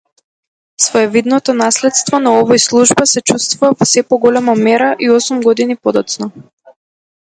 Своевидното наследствона овој служба се чувствува во сѐ поголема мера и осум години подоцна.